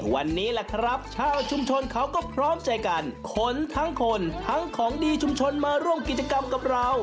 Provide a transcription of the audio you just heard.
วันนี้แหละครับชาวชุมชนเขาก็พร้อมใจกันขนทั้งคนทั้งของดีชุมชนมาร่วมกิจกรรมกับเรา